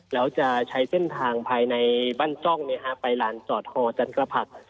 แล้วจะใช้เส้นทางภายในบ้านจ้องไปลานจอดฮอจันกระผัก